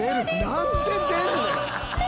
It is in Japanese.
何で出んねん！